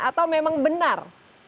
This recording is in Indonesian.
atau memang benar